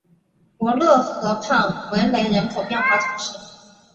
鲁勒河畔维雷人口变化图示